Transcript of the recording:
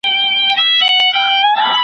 نه قاضي نه زولانه وي نه مو وېره وي له چانه .